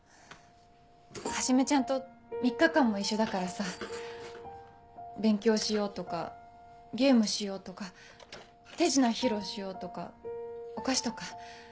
はじめちゃんと３日間も一緒だからさ勉強しようとかゲームしようとか手品披露しようとかお菓子とか。